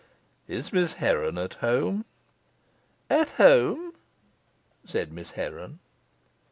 "Is Miss Heron at home?" "At home," said Miss Heron.